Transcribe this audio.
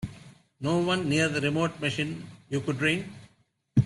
No one near the remote machine you could ring?